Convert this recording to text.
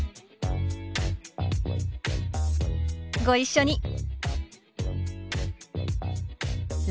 ご一緒に。